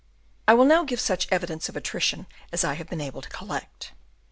I will now give such evidence of attrition as I have been able to collect.